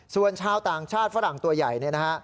ส่วนชาวต่างชาติฝรั่งตัวใหญ่